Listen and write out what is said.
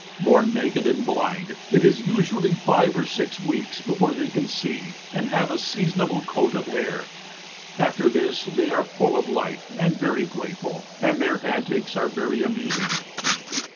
Born naked and blind, it is usually five or six weeks before they can see and have a seasonable coat of hair. After this, they are full of life and very playful, and their antics are very amusing.